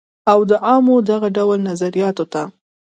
او د عوامو دغه ډول نظریاتو ته